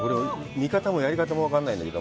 見方もやり方も分からないんだけど。